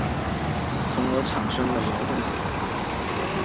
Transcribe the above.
从而产生了劳动的节奏感。